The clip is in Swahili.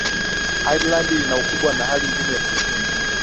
ireland inakubwa na hali ngumu ya kiuchumi